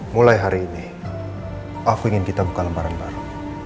mulai hari ini aku ingin kita buka lembaran baru